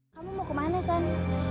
kamu mau ke mana san